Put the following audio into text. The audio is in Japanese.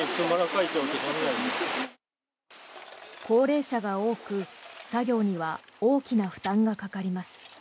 高齢者が多く、作業には大きな負担がかかります。